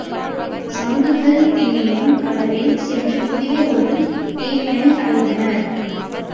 சங்குகள் திரியும் கடலில் சென்று புதிய ஒரு தீவினை அடைந்தனர்.